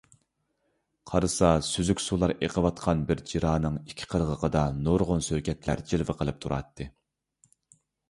قارىسا، سۈزۈك سۇلار ئېقىۋاتقان بىر جىرانىڭ ئىككى قىرغىقىدا نۇرغۇن سۆگەتلەر جىلۋە قىلىپ تۇراتتى.